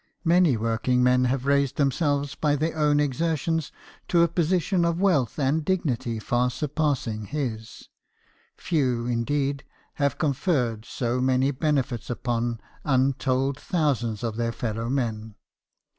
Many working men have raised themselves by their own exertions to a position of wealth and dignity far surpassing his ; few indeed have conferred so many benefits upon untold thou sands of their fellow men.